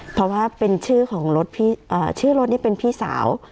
เพราะว่าเป็นชื่อของรถพี่ชื่อรถนี่เป็นพี่สาว